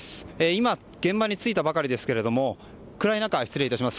今、現場についたばかりですが暗い中、失礼いたします。